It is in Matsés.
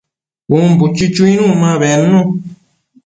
Cun buchi chuinu ma bednu